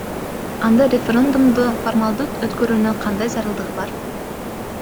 Анда референдумду формалдуу өткөрүүнүн кандай зарылдыгы бар?